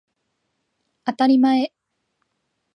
あたりまえ